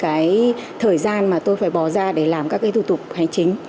cái thời gian mà tôi phải bỏ ra để làm các cái thủ tục hành chính